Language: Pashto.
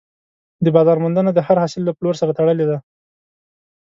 د بازار موندنه د هر حاصل له پلور سره تړلې ده.